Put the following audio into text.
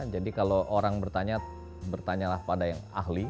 jadi kalau orang bertanya bertanyalah pada yang ahli